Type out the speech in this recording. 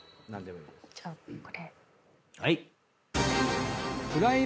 じゃあこれ。